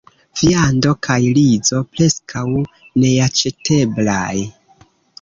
Viando kaj rizo preskaŭ neaĉeteblaj.